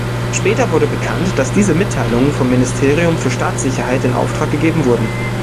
Später wurde bekannt, dass diese Mitteilungen vom Ministerium für Staatssicherheit in Auftrag gegeben wurden.